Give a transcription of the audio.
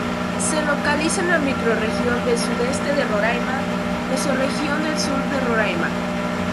Se localiza en la microrregión del Sudeste de Roraima, mesorregión del Sur de Roraima.